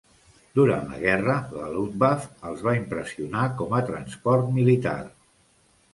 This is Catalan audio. Durant la guerra, la "Luftwaffe" els va impressionar com a transport militar.